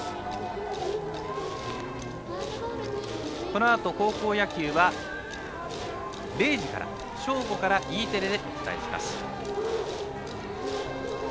このあと高校野球は０時から、正午からＥテレでお伝えします。